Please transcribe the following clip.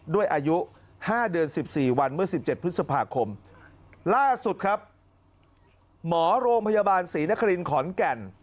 ด้วยอายุ๕เดือน๑๔วันเมื่อ๑๗พฤษภาคมล่าสุดครับหมอโรงพยาบาลศรีนครินขอนแก่น